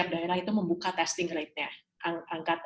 daerah itu membuka testing rate nya